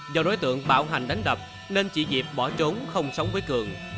do đối tượng bạo hành đánh đập nên chị diệp bỏ trốn không sống với cường